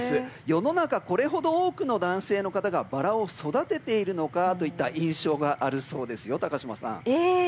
世の中、こんなに多くの男性の方がバラを育てているのかという印象があるそうですよ。